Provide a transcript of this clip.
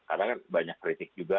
karena kan banyak kritik juga